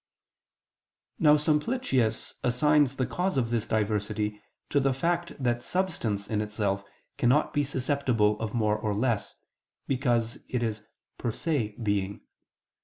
Now Simplicius assigns the cause of this diversity to the fact that substance in itself cannot be susceptible of more or less, because it is per se being.